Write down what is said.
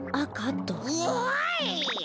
おい！